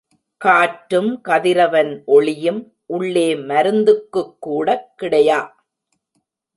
காற்றும் கதிரவன் ஒளியும் உள்ளே மருந்துக்குக்கூடக் கிடையா.